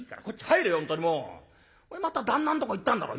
お前また旦那んとこ行ったんだろ。